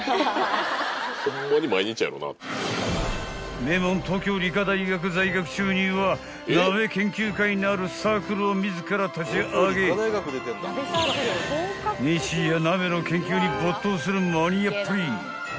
［名門東京理科大学在学中には鍋研究会なる］［日夜鍋の研究に没頭するマニアっぷり］